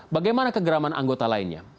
bagaimana kegeraman anggota lainnya